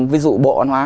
ví dụ bộ hóa